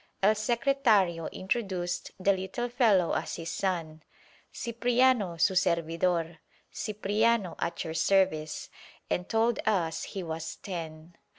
El Secretario introduced the little fellow as his son, "Cipriano, su servidor" ("Cipriano, at your service"), and told us he was ten.